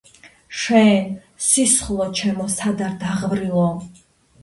შენ სისხლო ჩემო სად არ დაღვრილო